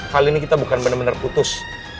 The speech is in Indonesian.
hal ini kita bukan bener bener putus